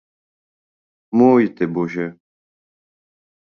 Můj ty bože!